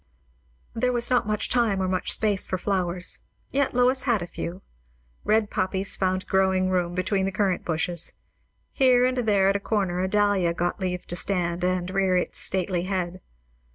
There was not much time or much space for flowers; yet Lois had a few. Red poppies found growing room between the currant bushes; here and there at a corner a dahlia got leave to stand and rear its stately head.